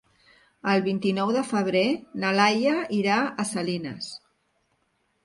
El vint-i-nou de febrer na Laia irà a Salines.